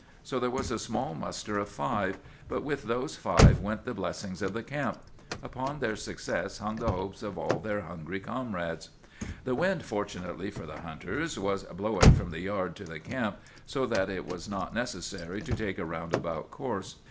So there was a small muster of five; but with those five went the blessings of the camp. Upon their success hung the hopes of all their hungry comrades. "The wind, fortunately for the hunters, was blowing from the yard to the camp, so that it was not necessary to take a roundabout course.